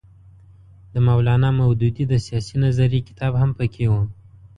د مولانا مودودي د سیاسي نظریې کتاب هم پکې وو.